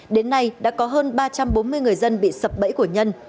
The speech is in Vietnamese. đến nay đã có hơn ba trăm bốn mươi người dân bị sập bẫy của nhân